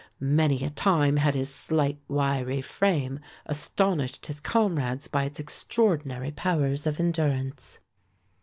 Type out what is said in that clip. Many a time had his slight wiry frame astonished his comrades by its extraordinary powers of endurance.